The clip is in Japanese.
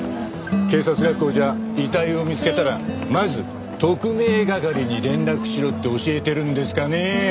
警察学校じゃ遺体を見つけたらまず特命係に連絡しろって教えてるんですかねえ？